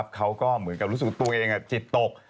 เขาก็เหมือนกับรู้สึกตัวเองจิตตก